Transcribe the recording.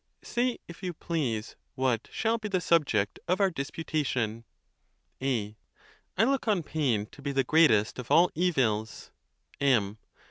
Say, if you please, what shall be the subject of our disputation. A. I look on pain to be the greatest of all evils. M.